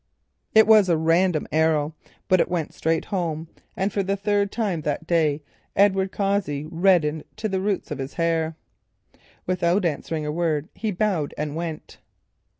It was a random arrow, but it went straight home, and for the third time that day Edward Cossey reddened to the roots of his hair. Without answering a word he bowed and went.